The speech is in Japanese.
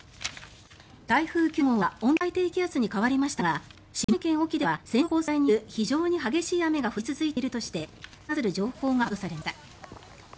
台風９号は温帯低気圧に変わりましたが島根県・隠岐では線状降水帯による非常に激しい雨が降り続いているとして顕著な大雨に関する情報が発表されました。